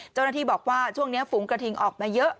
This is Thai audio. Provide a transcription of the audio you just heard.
เจ้าหน้าที่บอกว่าช่วงนี้ฝูงกระทิงออกมาเยอะ